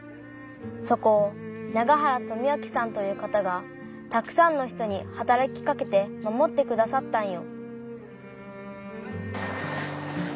そこを永原富明さんという方がたくさんの人に働き掛けて守ってくださったんよ」。